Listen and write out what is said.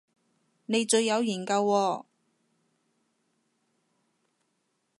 你最有研究喎